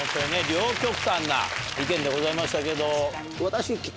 両極端な意見でございましたけど。